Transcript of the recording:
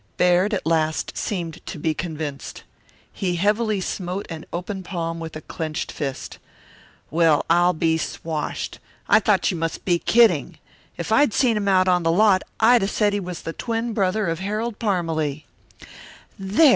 Baird at last seemed to be convinced. He heavily smote an open palm with a clenched fist. "Well, I'll be swoshed! I thought you must be kidding. If I'd seen him out on the lot I'd 'a' said he was the twin brother of Harold Parmalee." "There!"